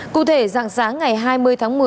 cụ thể dạng sáng ngày hai mươi tháng một mươi